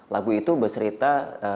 lagu itu bercerita